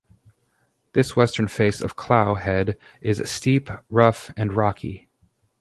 This western face of Clough Head, is steep, rough and rocky.